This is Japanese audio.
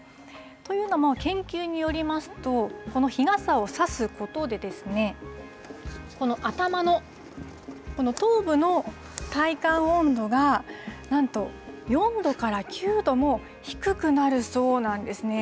というのも、研究によりますと、この日傘を差すことで、この頭の、頭部の体感温度が、なんと４度から９度も低くなるそうなんですね。